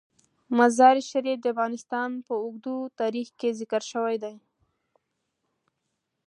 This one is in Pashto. مزارشریف د افغانستان په اوږده تاریخ کې ذکر شوی دی.